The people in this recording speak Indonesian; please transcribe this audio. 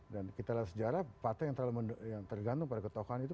dan kita lihat sejarah partai yang terlalu tergantung pada ketokohan itu